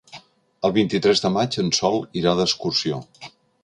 El vint-i-tres de maig en Sol irà d'excursió.